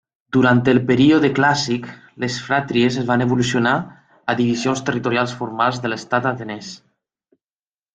Durant el període clàssic, les fratries van evolucionar a divisions territorials formals de l'Estat atenès.